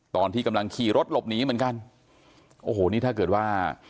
ตอนที่กำลังขี่รถหลบหนีเหมือนกันโอ้โหนี่ถ้าเกิดว่า